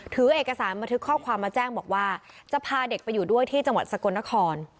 ถือเอกสารบันทึกข้อความมาแจ้งบอกว่าจะพาเด็กไปอยู่ด้วยที่จังหวัดสกลนคร